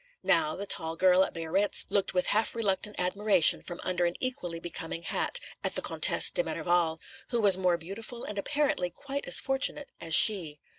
Now, the tall girl at Biarritz looked with half reluctant admiration from under an equally becoming hat at the Comtesse de Merival, who was more beautiful and apparently quite as fortunate as she.